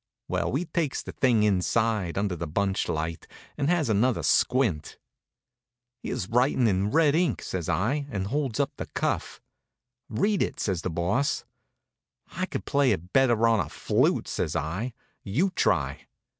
Well, we takes the thing inside under the bunch light and has another squint. "Here's writin' in red ink," says I, and holds up the cuff. "Read it," says the Boss. "I could play it better on a flute," says I. "You try."